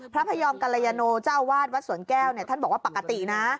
พระพยอมกัลยาโนเจ้าวาดวัดสวนแก้วเนี่ยท่านบอกว่าปกตินะ